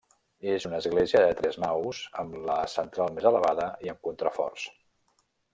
És una església de tres naus amb la central més elevada i amb contraforts.